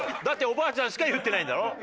だっておばあちゃんしか言ってないんだろ？